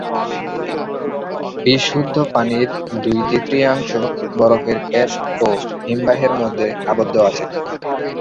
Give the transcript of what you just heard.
বিশুদ্ধ পানির দুই-তৃতীয়াংশ বরফের ক্যাপ ও হিমবাহের মধ্যে আবদ্ধ আছে।